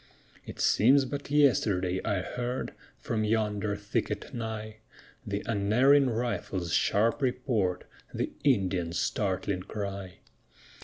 It seems but yesterday I heard, From yonder thicket nigh, The unerring rifle's sharp report, The Indian's startling cry.